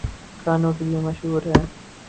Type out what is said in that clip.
کھانوں کے لیے مشہور ہیں